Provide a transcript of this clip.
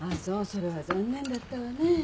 それは残念だったわねえ。